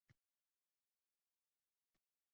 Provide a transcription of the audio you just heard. Oftob ham yo‘q edi… O‘zing bor eding.